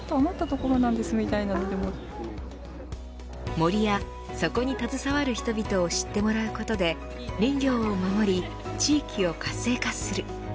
森や、そこに携わる人々を知ってもらうことで林業を守り、地域を活性化する。